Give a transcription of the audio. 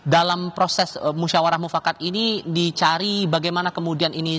dalam proses musyawarah mufakat ini dicari bagaimana kemudian ini